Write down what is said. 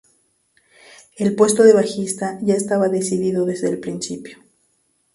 El puesto de bajista ya estaba decidido desde el principio.